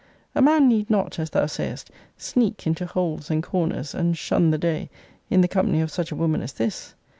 A man need not, as thou sayest, sneak into holes and corners, and shun the day, in the company of such a woman as this.